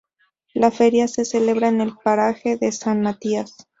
La feria se celebra en el paraje de San Matías.